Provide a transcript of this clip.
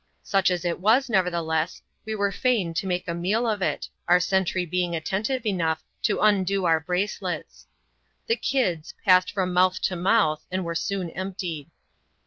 Such as it was, nevertheless, we were fain to make a meal of it, our sentry being attentive enough to undo our bracelets. The " kids " passed from mouth to mouth, and were soon emptied.